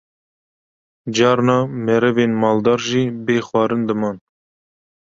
Carna merivên maldar jî bê xwarin diman